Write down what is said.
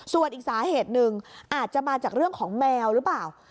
ส่วนอีกสาเหตุหนึ่งอาจจะมาจากเรื่องของแมวหรือเปล่า